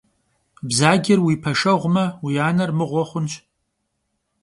Bzacer vui peşşegume vui aner mığue xhunş.